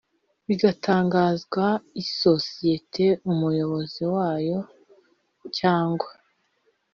Bigatangazwa isosiyete umuyobozi wayo cyangwa